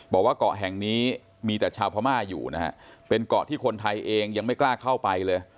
บอกว่าเกาะแห่งนี้มีแต่ชาวพม่าอยู่นะฮะเป็นเกาะที่คนไทยเองยังไม่กล้าเข้าไปเลย